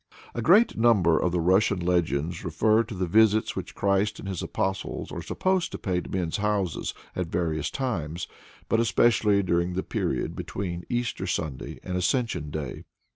A great number of the Russian legends refer to the visits which Christ and his Apostles are supposed to pay to men's houses at various times, but especially during the period between Easter Sunday and Ascension Day.